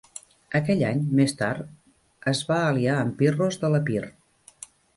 Aquell any, més tard, va es va aliar amb Pirros de l'Epir.